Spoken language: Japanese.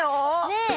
ねえ。